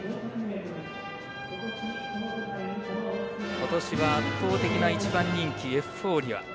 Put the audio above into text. ことしは圧倒的な１番人気エフフォーリア。